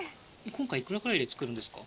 今回いくらぐらいで作るんですか？